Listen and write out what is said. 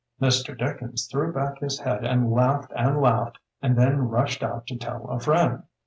Mr. Dickens threw back his head and laughed and laughed and then rushed out to tell a friend.